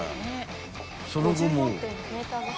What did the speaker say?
［その後も］